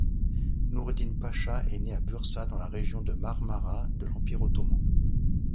Noureddine Pacha est né à Bursa dans la Région de Marmara de l'Empire ottoman.